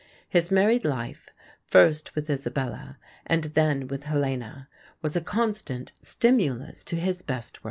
His married life, first with Isabella and then with Helena, was a constant stimulus to his best work.